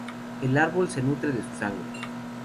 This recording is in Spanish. El árbol se nutre de su sangre".